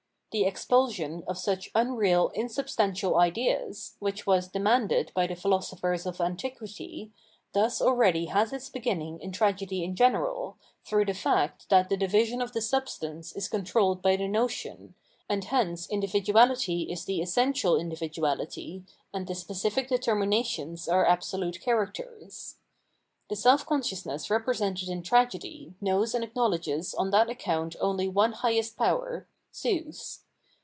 The expulsion of such unreal insubstantial ideas, which was demanded by the philosophers of antiquity, thus aheady has its beginning in tragedy in general, through the fact that the division of the substance is controlled by the notion, and hence individuality is the essential individuality, and the specific determinations are absolute characters. The seH conseiousness represented in tragedy knows and acknowledges on that account only one highest power, Zeus.